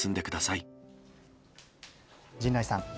陣内さん。